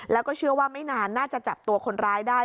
แล้วก็เชื่อว่าไม่นานน่าจะจับตัวคนร้ายได้